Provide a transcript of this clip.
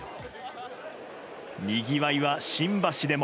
にぎわいは、新橋でも。